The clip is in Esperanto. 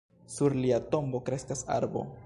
Sur lia tombo kreskas arbo.